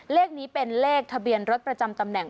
เลขนี้เป็นเลขทะเบียนรถประจำตำแหน่ง